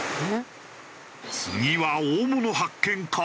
次は大物発見か？